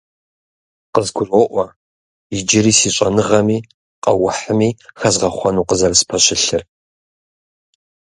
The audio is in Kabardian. КъызгуроӀуэ иджыри си щӀэныгъэми къэухьми хэзгъэхъуэну къызэрыспэщылъыр.